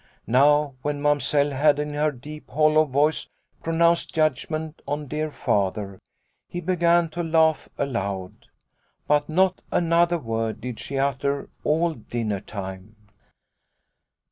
" Now when Mamsell had in her deep, hollow voice pronounced judgment on dear Father, he began to laugh aloud. But not another word did she utter all dinner time."